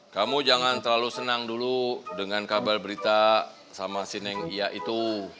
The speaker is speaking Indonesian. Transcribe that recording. kamu jangan terlalu senang dulu dengan kabar berita sama sining ya itu